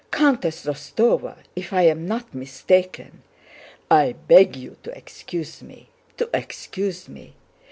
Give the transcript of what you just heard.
Countess Rostóva, if I am not mistaken... I beg you to excuse me, to excuse me...